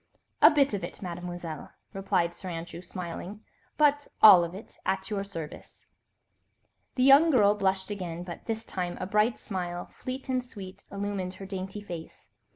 "A bit of it, Mademoiselle," replied Sir Andrew, smiling, "but all of it, at your service." The young girl blushed again, but this time a bright smile, fleet and sweet, illumined her dainty face.